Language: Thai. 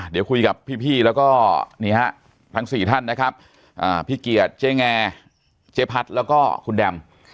เดี๋ยวคุยกับพี่แล้วก็นี่ฮะทั้ง๔ท่านนะครับพี่เกียรติเจ๊แงเจ๊พัดแล้วก็คุณแดม